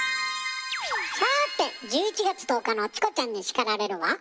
さて１１月１０日の「チコちゃんに叱られる」は？